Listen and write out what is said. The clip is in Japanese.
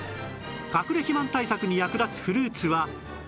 かくれ肥満対策に役立つフルーツはどれ？